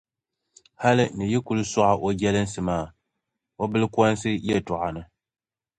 hali ni yi kuli sɔɣi o jɛlinsi maa o bilikɔnsi yɛltɔɣa ni.